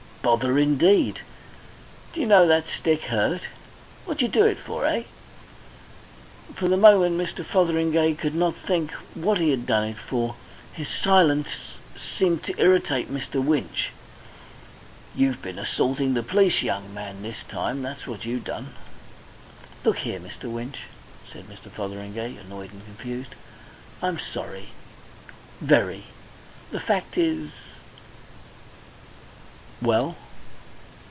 "Bother indeed! D'yer know that stick hurt? What d'yer do it for, eh?" For the moment Mr. Fotheringay could not think what he had done it for. His silence seemed to irritate Mr. Winch. "You've been assaulting the police, young man, this time. That's what you done." "Look here, Mr. Winch," said Mr. Fotheringay, annoyed and confused, "I'm sorry, very. The fact is " "Well?"